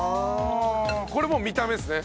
これもう見た目ですね。